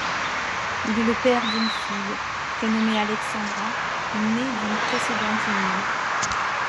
Il est le père d'une fille, prénommée Alexandra, née d'une précédente union.